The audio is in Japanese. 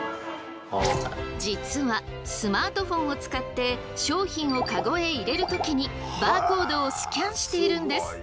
実はスマートフォンを使って商品をカゴへ入れる時にバーコードをスキャンしているんです。